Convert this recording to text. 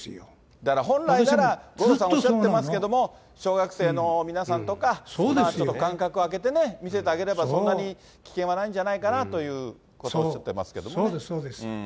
だから本来なら五郎さんもおっしゃってますけども、小学生の皆さんとか、そういう間隔を空けて見せてあげれば、そんなに危険はないんじゃないかなということをね、おっしゃってますけどね。